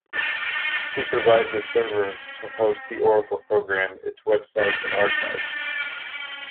He provides a server to host the Oracle program, its web site, and archives.